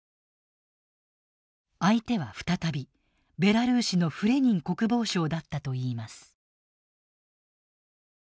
相手は再びベラルーシのフレニン国防相だったといいます。